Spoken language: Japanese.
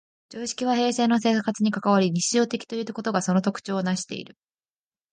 常識は平生の生活に関わり、日常的ということがその特徴をなしている。